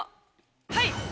はい！